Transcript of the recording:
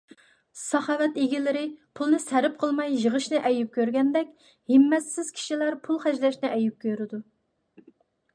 ساخاۋەت ئىگىلىرى پۇلنى سەرپ قىلماي يىغىشنى ئەيىب كۆرگەندەك، ھىممەتسىز كىشىلەر پۇل خەجلەشنى ئەيىب كۆرىدۇ.